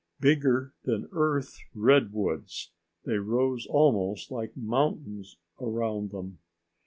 Bigger than Earth redwoods, they rose almost like mountains around them.